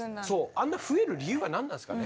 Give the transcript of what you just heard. あんな増える理由は何なんですかね？